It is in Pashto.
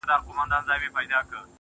چي نور ساده راته هر څه ووايه~